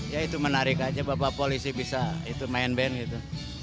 ya itu menarik aja bapak polisi bisa itu main band gitu